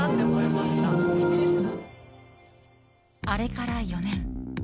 あれから４年。